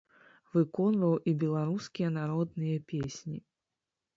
Выконваў і беларускія народныя песні.